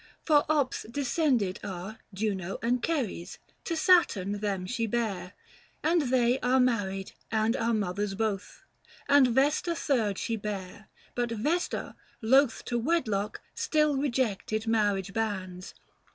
From Ops descended are Juno and Ceres, to Saturn them she bare, 340 And they are married, and are mothers both ; And Vesta third she bare : but Vesta, loth To wedlock, still rejected marriage bands.